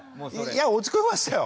いや落ち込みましたよ。